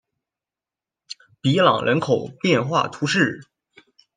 比朗人口变化图示